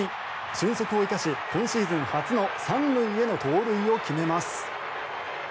俊足を生かし、今シーズン初の３塁への盗塁を決めます。